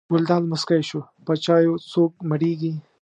ګلداد موسکی شو: په چایو څوک مړېږي.